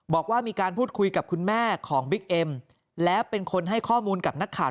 บอกว่ามีการพูดคุยกับคุณแม่ของบิ๊กเอ็มแล้วเป็นคนให้ข้อมูลกับนักข่าว